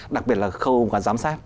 đặc biệt là khâu quán giám sát